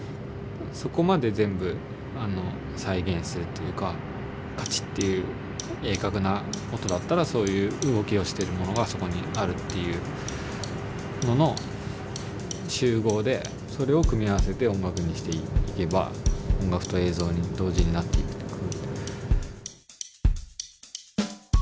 じゃなくてカチッていう鋭角な音だったらそういう動きをしてるものがそこにあるっていうのの集合でそれを組み合わせて音楽にしていけば音楽と映像に同時になっていく。